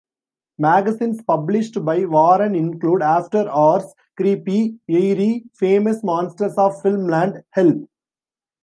Magazines published by Warren include "After Hours", "Creepy", "Eerie", "Famous Monsters of Filmland", "Help!